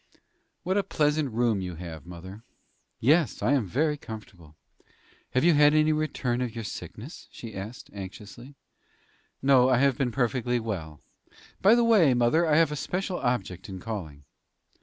"What a pleasant room you have, mother!" "Yes, I am very comfortable. Have you had any return of your sickness?" she asked, anxiously. "No, I have been perfectly well. By the way, mother, I have a special object in calling."